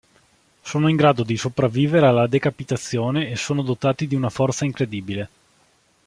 Sono in grado di sopravvivere alla decapitazione e sono dotati di una forza incredibile.